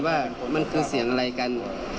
ว่าผลมันคือเสียงอะไรกัน